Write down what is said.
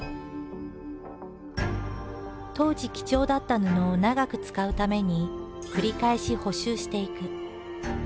当時貴重だった布を長く使うために繰り返し補修していく。